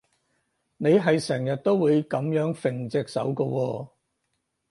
你係成日都會噉樣揈隻手㗎喎